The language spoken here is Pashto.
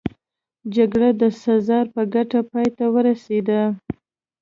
جګړه د سزار په ګټه پای ته ورسېده.